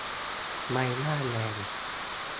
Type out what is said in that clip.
ใบหน้าแดง